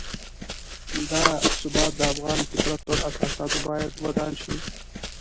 دا ثبات د افغان فطرت پر اساساتو باید ودان شي.